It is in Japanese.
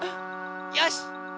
よし！